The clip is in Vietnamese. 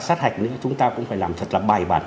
sát hành chúng ta cũng phải làm thật là bài bản